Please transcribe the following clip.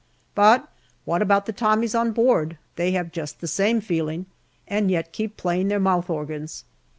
But what about the Tommies on board ? they have just the same feeling, and yet keep 30 GALLIPOLI DIARY playing their mouth organs.